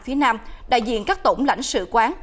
phía nam đại diện các tổng lãnh sự quán